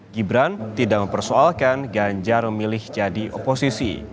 gibran tidak mempersoalkan ganjar memilih jadi oposisi